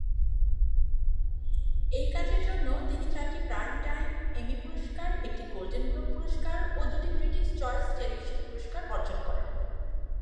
এই কাজের জন্য তিনি চারটি প্রাইমটাইম এমি পুরস্কার, একটি গোল্ডেন গ্লোব পুরস্কার ও দুটি ক্রিটিকস চয়েস টেলিভিশন পুরস্কার অর্জন করেন।